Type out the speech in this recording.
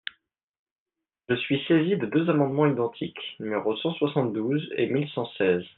Je suis saisi de deux amendements identiques, numéros cent soixante-douze et mille cent seize.